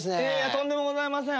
とんでもございません。